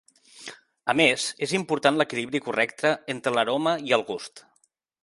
A més, és important l'equilibri correcte entre l'aroma i el gust.